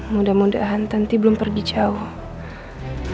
mudah mudahan tanti belum pergi lagi pak